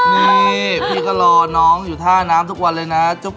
นี่พี่ก็รอน้องอยู่ท่าน้ำทุกวันเลยนะ